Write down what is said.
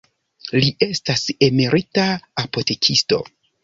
Li estas emerita apotekisto.